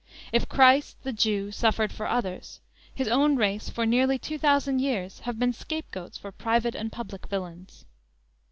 If Christ, the Jew, suffered for others, his own race for nearly two thousand years have been "scapegoats" for private and public villains.